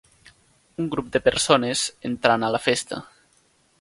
Un grup de persones entrant a la festa.